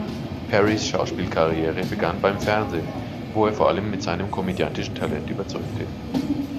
Perrys Schauspielkarriere begann beim Fernsehen, wo er vor allem mit seinem komödiantischen Talent überzeugte.